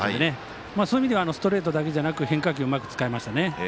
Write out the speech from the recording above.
そういう意味ではストレートだけじゃなく変化球をうまく使いましたね。